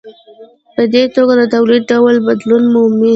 په دې توګه د تولید ډول بدلون مومي.